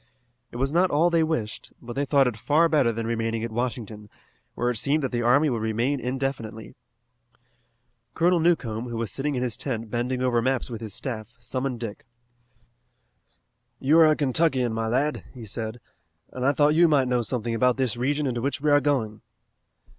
It was not all they wished, but they thought it far better than remaining at Washington, where it seemed that the army would remain indefinitely. Colonel Newcomb, who was sitting in his tent bending over maps with his staff, summoned Dick. "You are a Kentuckian, my lad," he said, "and I thought you might know something about this region into which we are going."